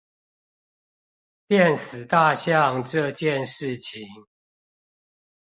電死大象這件事情